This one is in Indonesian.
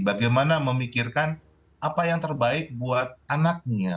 bagaimana memikirkan apa yang terbaik buat anaknya